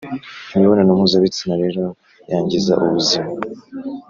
Imibonano mpuzabitsina rero yangiza ubuzima,